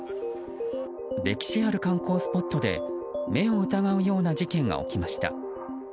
歴史ある観光スポットで目を疑うような事件が起きました。